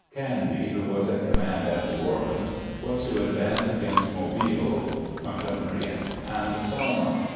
Canby, who was in command at New Orleans, was to advance against Mobile, Montgomery, and Selma.